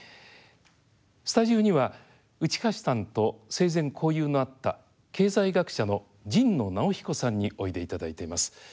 スタジオには内橋さんと生前交友のあった経済学者の神野直彦さんにおいでいただいています。